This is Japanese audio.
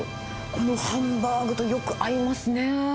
このハンバーグとよく合いますね。